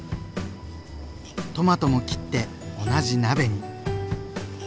トマトも切って同じ鍋に。